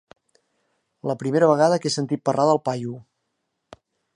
La primera vegada que he sentit parlar del paio.